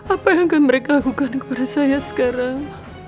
apa yang akan mereka lakukan kepada saya sekarang